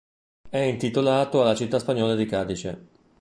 È intitolato alla città spagnola di Cadice.